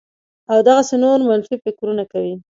او دغسې نور منفي فکرونه کوي